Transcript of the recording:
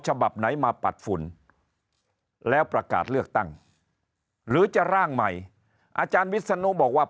ฉบับไหนมาปัดฝุ่นแล้วประกาศเลือกตั้งหรือจะร่างใหม่อาจารย์วิศนุบอกว่า